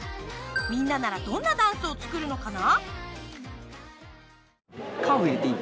みんなならどんなダンスを作るのかな？